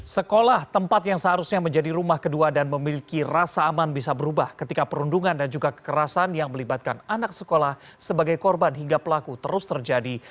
sekolah tempat yang seharusnya menjadi rumah kedua dan memiliki rasa aman bisa berubah ketika perundungan dan juga kekerasan yang melibatkan anak sekolah sebagai korban hingga pelaku terus terjadi